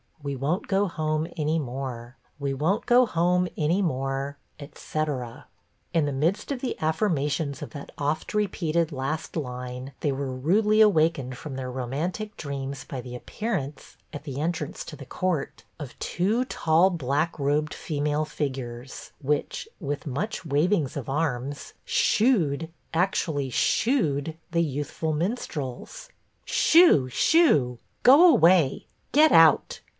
We won't go home any more. We won't go home any more,' " etc. In the midst of the affirmations of that oft repeated last line they were rudely awakened from their romantic dreams by the appear ance, at the entrance to the court, of two tall black robed female figures, which, with much wavings of arms, " shooed," actually " shooed " the youthful minstrels. " Shoo ! Shoo ! Go away ! Get out